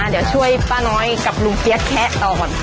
เดี๋ยวช่วยป้าน้อยกับลุงเปี๊ยกแคะก่อน